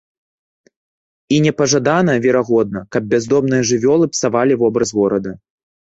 І непажадана, верагодна, каб бяздомныя жывёлы псавалі вобраз горада.